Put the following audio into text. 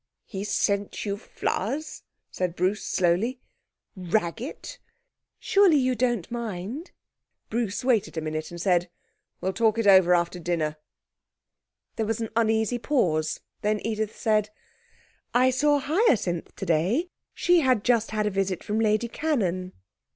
'He sent you flowers?' said Bruce slowly. 'Raggett!' 'Surely you don't mind?' Bruce waited a minute and said, 'We'll talk it over after dinner.' There was an uneasy pause; then Edith said 'I saw Hyacinth today. She had just had a visit from Lady Cannon.'